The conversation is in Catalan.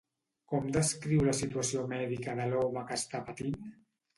Com descriu la situació mèdica de l'home que està patint?